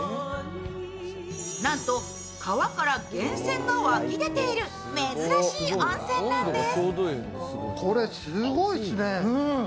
なんと川から源泉が湧き出ている珍しい温泉なんです。